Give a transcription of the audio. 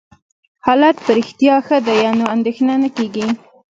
حالت په رښتیا ښه دی، نو اندېښنه نه کېږي.